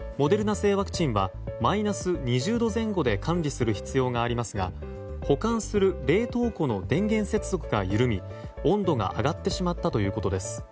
製ワクチンはマイナス２０度前後で管理する必要がありますが保管する冷凍庫の電源接続が緩み温度が上がってしまったということです。